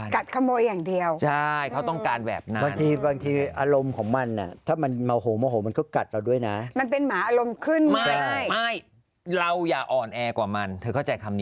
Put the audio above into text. นางเอกไม่ลืมรักเหงาจ้ะ